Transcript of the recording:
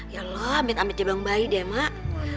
ya lo ambil ambil jebang bayi deh mak